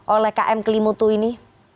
sembilan puluh oleh km kelimutu ini